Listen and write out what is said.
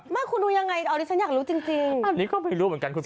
ไม่คุณดูยังไงอ่ะดิฉันอยากรู้จริงจริงอันนี้ก็ไม่รู้เหมือนกัน